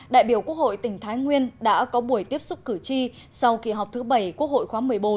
đại biểu quốc hội tỉnh thái nguyên đã có buổi tiếp xúc cử tri sau kỳ họp thứ bảy quốc hội khóa một mươi bốn